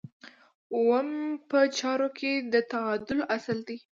اووم په چارو کې د تعادل اصل دی.